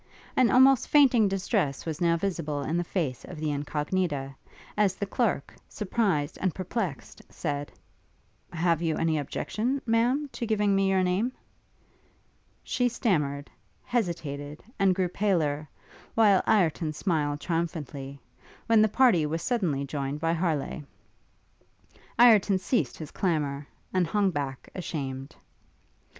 An almost fainting distress was now visible in the face of the Incognita, as the clerk, surprised and perplexed, said, 'Have you any objection, Ma'am, to giving me your name?' She stammered, hesitated, and grew paler, while Ireton smiled triumphantly, when the party was suddenly joined by Harleigh. Ireton ceased his clamour, and hung back, ashamed.